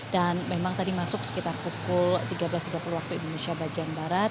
dan memang tadi masuk sekitar pukul tiga belas tiga puluh waktu indonesia bagian barat